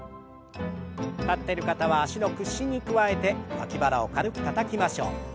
立ってる方は脚の屈伸に加えて脇腹を軽くたたきましょう。